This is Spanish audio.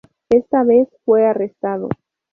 Esta vez, fue arrestado.